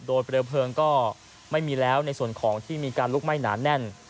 โดยเปลวเพลิงก็ไม่มีแล้วในส่วนของที่มีการลุกไหม้หนาแน่น